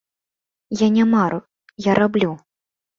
Я не мару, я раблю.